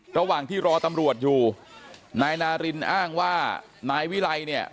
ระหว่างที่รอตำรวจอยู่นายนารินอ้างว่านายวิไลเนี่ย